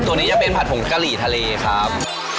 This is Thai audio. ตัวนี้จะเป็นผัดผงกะหรี่ทะเลครับ